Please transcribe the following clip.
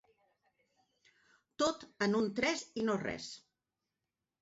Tot en un tres i no res.